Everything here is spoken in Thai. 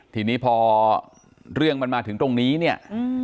ทีนี้พอเรื่องมันมาถึงตรงนี้เนี่ย